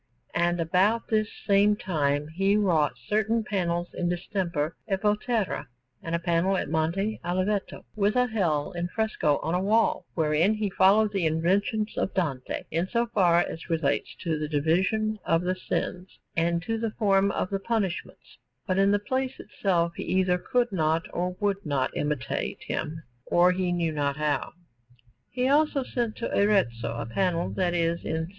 And about this same time he wrought certain panels in distemper at Volterra, and a panel at Monte Oliveto, with a Hell in fresco on a wall, wherein he followed the invention of Dante in so far as relates to the division of the sins and to the form of the punishments, but in the place itself he either could not or would not imitate him, or knew not how. He also sent to Arezzo a panel that is in S.